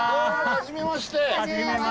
はじめまして。